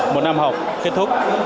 một năm học kết thúc